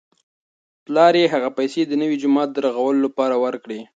پلار یې هغه پیسې د نوي جومات د رغولو لپاره ورکړې.